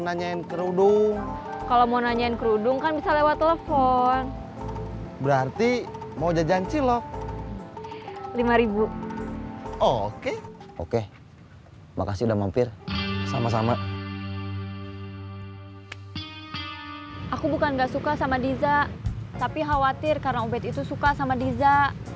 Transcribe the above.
aku bukan gak suka sama diza tapi khawatir karena obet itu suka sama diza